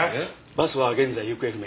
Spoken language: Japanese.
バスは現在行方不明。